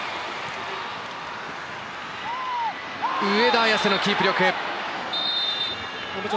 上田綺世のキープ力。